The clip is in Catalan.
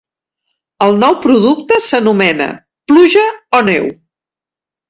El nou producte s'anomena «Pluja o neu».